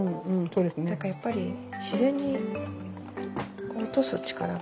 だからやっぱり自然に落とす力が強いんですよね。